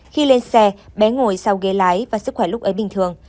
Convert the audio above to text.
khi lên xe bé ngồi sau ghế lái và sức khỏe lúc ấy bình thường